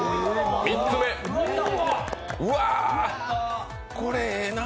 ３つ目、うわー、これええな。